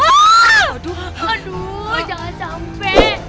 aduh jangan sampai